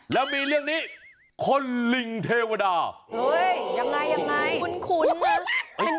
แล้วมีเรื่องนี้คนลิงเทวดาโอ้ยยังไงยังไง